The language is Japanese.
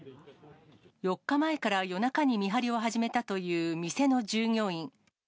４日前から夜中に見張りを始めたという店の従業員。